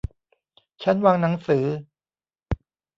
ชั้นวางหนังสือ